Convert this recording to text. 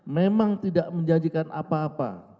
memang tidak menjanjikan apa apa